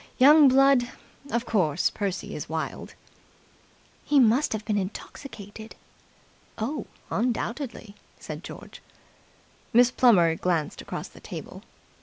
"Young blood! Of course, Percy is wild." "He must have been intoxicated." "Oh, undoubtedly," said George. Miss Plummer glanced across the table.